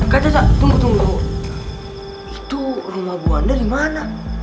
kaca kaca tunggu tunggu itu rumah bu wanda dimana